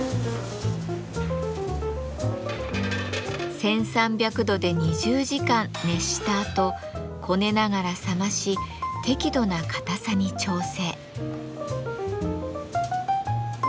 １，３００度で２０時間熱したあとこねながら冷まし適度な硬さに調整。